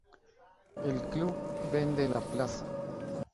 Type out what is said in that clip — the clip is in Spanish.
El Club vende la plaza.